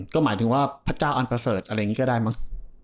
ก็หมายถึงว่าพระเจ้าอันประเสริฐอะไรอย่างนี้ก็ได้มั้ง